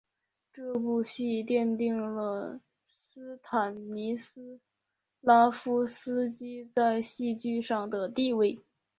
这部戏奠定了斯坦尼斯拉夫斯基在戏剧上的地位。